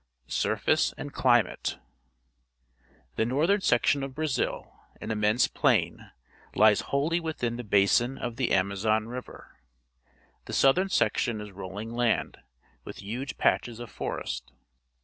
Surface and Climate. — The northern sec tion of Brazil, an immense plain, hes wholly within the basin of the AmazoiuRiver. The southern section is rolling land, with huge patches of forest.